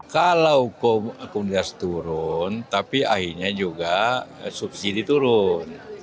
kalau hukum akundas turun tapi akhirnya juga subsidi turun